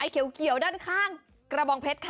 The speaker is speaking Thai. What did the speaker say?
คิ้วไข่ไข่ด้านข้างกระบองเผ็ดค่ะ